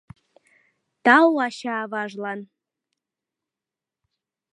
Тау ача-аважлан